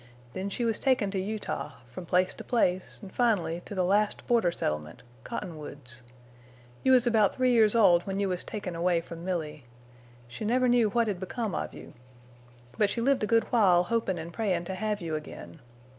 Then she was taken to Utah, from place to place, an' finally to the last border settlement—Cottonwoods. You was about three years old when you was taken away from Milly. She never knew what had become of you. But she lived a good while hopin' and prayin' to have you again.